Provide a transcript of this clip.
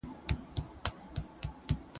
نوی کال دی ، نوی ژوند دی